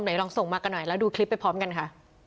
ลองส่งมากันหน่อยแล้วดูคลิปไปพร้อมกันค่ะ